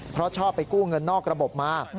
เพราะชอบไปกู้เงินนอกระบบมา